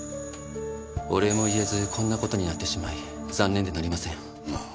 お礼も言えずこんな事になってしまい残念でなりません。